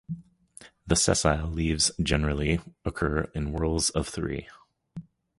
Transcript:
The sessile leaves generally occur in whorls of three.